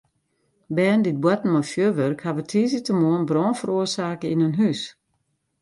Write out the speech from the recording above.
Bern dy't boarten mei fjurwurk hawwe tiisdeitemoarn brân feroarsake yn in hús.